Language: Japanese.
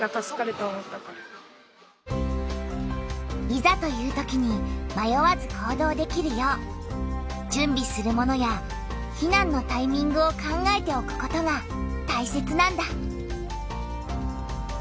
いざというときにまよわず行動できるよう準備するものや避難のタイミングを考えておくことがたいせつなんだ。